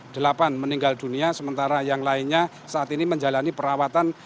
delapan meninggal dunia sementara yang lainnya saat ini menjalani perawatan